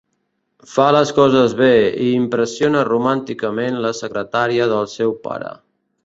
Fa les coses bé i impressiona romànticament la secretaria del seu pare.